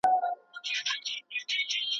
څه غزل څه قصیده وای